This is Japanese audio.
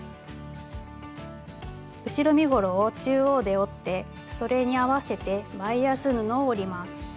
後ろ身ごろを中央で折ってそれに合わせてバイアス布を折ります。